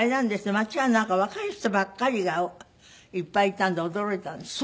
街やなんか若い人ばっかりがいっぱいいたんで驚いたんですって？